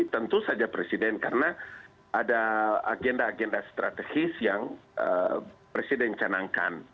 tentu saja presiden karena ada agenda agenda strategis yang presiden canangkan